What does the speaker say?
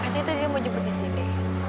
dia tuh mau jemput di sini